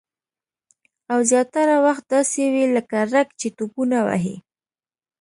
او زیاتره وخت داسې وي لکه رګ چې ټوپونه وهي